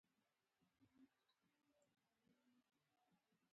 دوی په همدې خوراک او صفتونو کې وو.